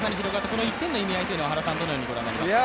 この１点の意味合いというのはどのようにご覧になりますか？